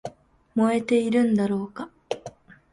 燃えているんだろうか